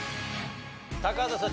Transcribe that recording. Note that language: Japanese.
高畑さん